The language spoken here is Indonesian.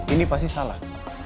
ini pasti salah